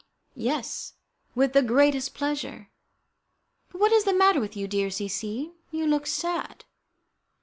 "Yes, with the greatest pleasure. But what is the matter with you, dear C C ? You look sad."